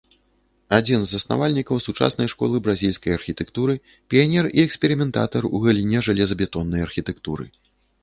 Адзін з заснавальнікаў сучаснай школы бразільскай архітэктуры, піянер і эксперыментатар у галіне жалезабетоннай архітэктуры.